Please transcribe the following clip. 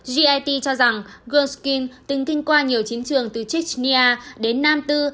git cho rằng gurskin từng kinh qua nhiều chiến trường từ chechnya đến nam tư